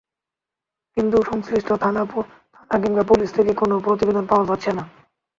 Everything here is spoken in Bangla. কিন্তু সংশ্লিষ্ট থানা কিংবা পুলিশ থেকে কোনো প্রতিবেদন পাওয়া যাচ্ছে না।